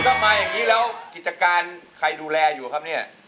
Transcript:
ถ้ามาอย่างนี้แล้วกิจการใครดูแลอยู่ครับเนี่ย